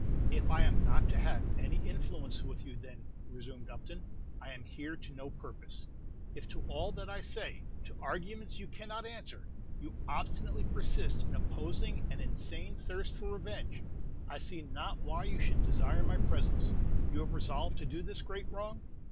"If I am not to have any influence with you, then," resumed Upton, "I am here to no purpose. If to all that I say to arguments you cannot answer you obstinately persist in opposing an insane thirst for revenge, I see not why you should desire my presence. You have resolved to do this great wrong?"